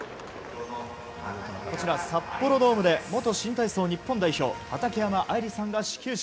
札幌ドームで元新体操日本代表畠山愛理さんが始球式。